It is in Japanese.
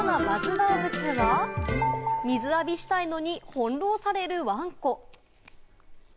どうぶつは、水浴びしたいのに翻弄されるワンコ。